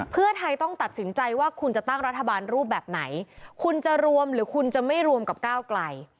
เพื่อไทยต้องตัดสินใจว่าคุณจะตั้งรัฐบาลรูปแบบไหนคุณจะรวมหรือคุณจะไม่รวมกับก้าวไกล